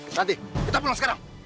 nanti kita pulang sekarang